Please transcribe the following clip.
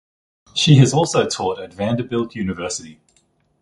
She has also taught at Vanderbilt University.